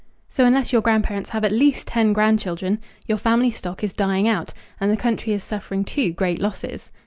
So unless your grandparents have at least ten grandchildren, your family stock is dying out, and the country is suffering two great losses.